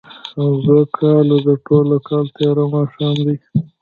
او د کال، د ټوله کال تیاره ماښام دی